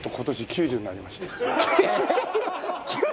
７６になりました。